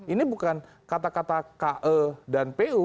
ini bukan kata kata ke dan pu